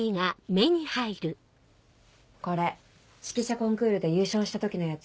これ指揮者コンクールで優勝した時のやつ。